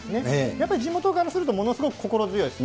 やっぱり地元からすると、ものすごく心強いです。